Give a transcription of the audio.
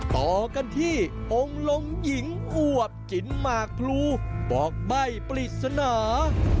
ต่อกันที่องค์ลงหญิงอวบกินหมากพลูบอกใบ้ปริศนา